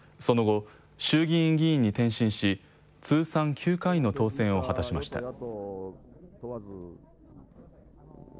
その後、衆議院議員に転身し、通算９回の当選を果たしました。